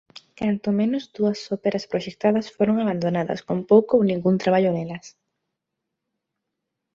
Canto menos dúas óperas proxectadas foron abandonadas con pouco ou ningún traballo nelas.